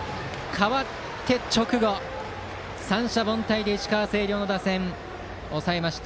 代わって直後、三者凡退で石川・星稜の打線を抑えました。